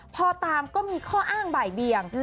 พอตามก็มีข้ออ้างบ่ายเบียง